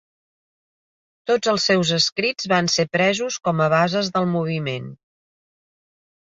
Tots els seus escrits van ser presos com a bases del moviment.